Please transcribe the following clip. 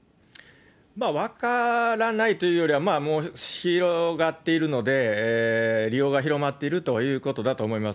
分からないというよりは、もう広がっているので、利用が広まっているということだと思います。